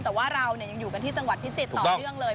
แต่ว่าเรายังอยู่กันที่จังหวัดพิจิตรต่อเนื่องเลย